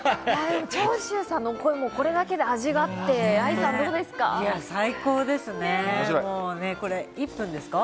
長州さんの声もあれだけで味があって、愛さん、いかがですか？